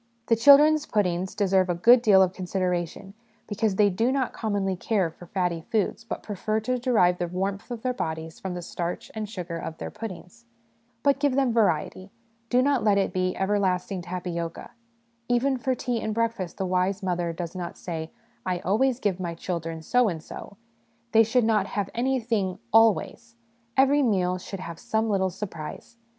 The children's puddings deserve a good deal of consideration, because they do not commonly care for fatty foods, but prefer to derive the warmth of their bodies from the starch and sugar of their puddings. But give them variety ; do not let it be ' everlasting tapioca.' Even for tea and breakfast the wise mother does not say, ' I always give my children' so and so. They should not have anything ' always '; every meal should have some little surprise.